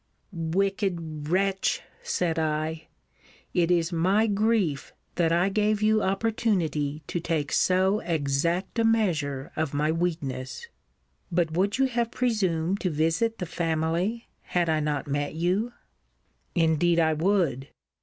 Wicked wretch, said I; it is my grief, that I gave you opportunity to take so exact a measure of my weakness! But would you have presumed to visit the family, had I not met you? Indeed I would.